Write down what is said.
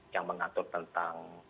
yang mengatur tentang